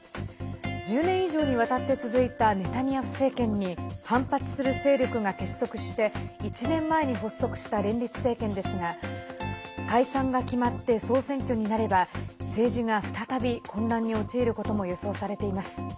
１０年以上にわたって続いたネタニヤフ政権に反発する勢力が結束して１年前に発足した連立政権ですが解散が決まって総選挙になれば政治が再び、混乱に陥ることも予想されています。